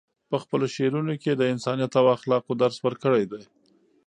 په خپلو شعرونو کې یې د انسانیت او اخلاقو درس ورکړی دی.